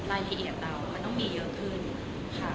รายประโยชน์เรามันต้องมีเยอะขึ้นนะคะ